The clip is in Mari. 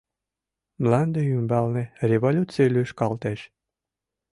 Мланде ӱмбалне революций лӱшкалтеш